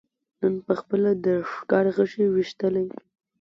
نن پخپله د ښکاري غشي ویشتلی